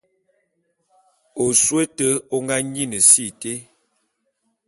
Osôé ôte ô ngá nyin si été.